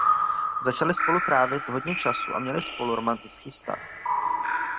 Začali spolu trávit hodně času a měli spolu romantický vztah.